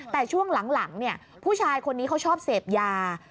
แต่ช่วงหลังผู้ชายคนนี้เขาชอบเสพยา